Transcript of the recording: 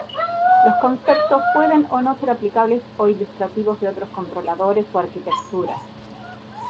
Los conceptos pueden o no ser aplicables o ilustrativos de otros controladores o arquitecturas.